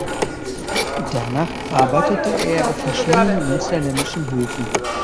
Danach arbeitete er auf verschiedenen münsterländischen Höfen.